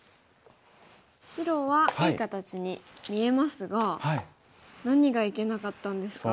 白はいい形に見えますが何がいけなかったんですか？